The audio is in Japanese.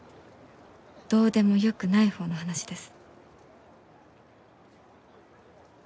どうでもよくない方の話です。